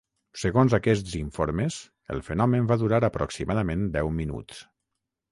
Segons aquests informes, el fenomen va durar aproximadament deu minuts.